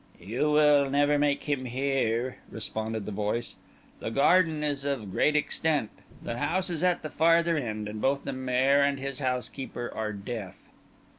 "You will never make him hear," responded the voice. "The garden is of great extent, the house is at the farther end, and both the Maire and his housekeeper are deaf."